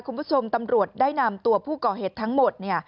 คุณผู้ชมตำรวจได้นำตัวผู้ก่อเหตุทั้งหมด